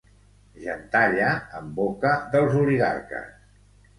Gentalla en boca dels oligarques.